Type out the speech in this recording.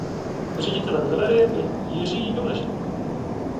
Ředitelem galerie byl Jiří Doležal.